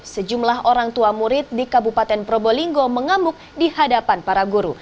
sejumlah orang tua murid di kabupaten probolinggo mengamuk di hadapan para guru